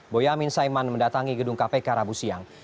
boyamin saiman mendatangi gedung kpk rabu siang